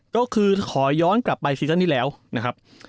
ก็คือขอย้อนกลับไปซีซั่นนี้แล้วนะครับ